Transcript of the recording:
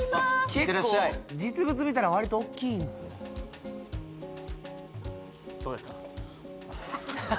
・結構実物見たら割と大きいんすねどうですか？